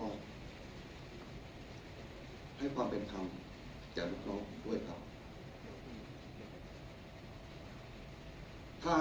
ให้ความเป็นธรรมแจ้งกับนี่เขาด้วยกับ